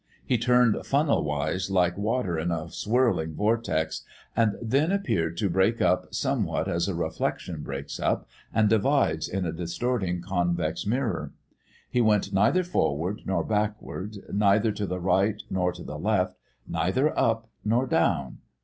He turned funnel wise like water in a whirling vortex, and then appeared to break up somewhat as a reflection breaks up and divides in a distorting convex mirror. He went neither forward nor backwards, neither to the right nor the left, neither up nor down.